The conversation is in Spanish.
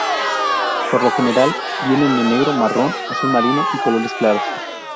Por lo general, vienen en negro, marrón, azul marino y colores claros.